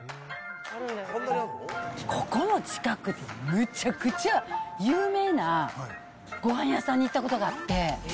ここの近くでむちゃくちゃ有名なごはん屋さんに行ったことがあって。